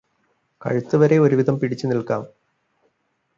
കഴുത്തുവരെ ഒരുവിധം പിടിച്ചു നില്ക്കാം